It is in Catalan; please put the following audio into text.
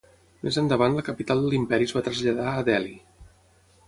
Més endavant la capital de l'imperi es va traslladar a Delhi.